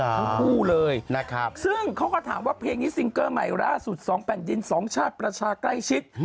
ทั้งคู่เลยนะครับซึ่งเขาก็ถามว่าเพลงนี้ซิงเกอร์ใหม่ล่าสุด๒แผ่นดิน๒ชาติประชาใกล้ชิด